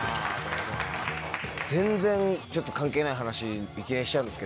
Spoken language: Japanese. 全然関係ない話いきなりしちゃうんですけど。